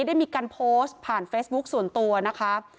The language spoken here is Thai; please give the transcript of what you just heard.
ได้มีการโพสต์ผ่านเฟซบุ๊คส่วนตัวนะคะ